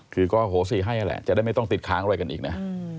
คือก็โหสีให้นั่นแหละจะได้ไม่ต้องติดค้างอะไรกันอีกนะ